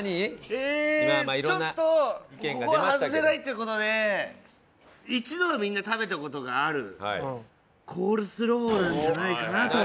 えーちょっとここは外せないっていう事で一度はみんな食べた事があるコールスローなんじゃないかなと。